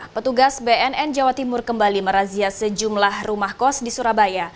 petugas bnn jawa timur kembali merazia sejumlah rumah kos di surabaya